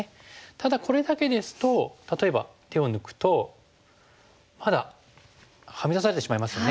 ただこれだけですと例えば手を抜くとまだはみ出されてしまいますよね。